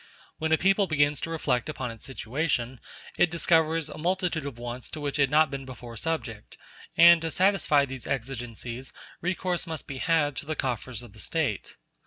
When a people begins to reflect upon its situation, it discovers a multitude of wants to which it had not before been subject, and to satisfy these exigencies recourse must be had to the coffers of the State.